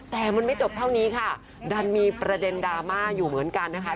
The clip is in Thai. แต่มันไม่จบเท่านี้ค่ะดันมีประเด็นดราม่าอยู่เหมือนกันนะคะ